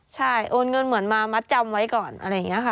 ใช่โอนเงินเหมือนมามัดจำไว้ก่อนอะไรอย่างนี้ค่ะ